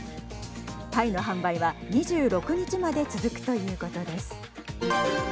パイの販売は２６日まで続くということです。